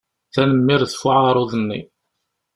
Tanemmirt ɣef uεaruḍ-nni.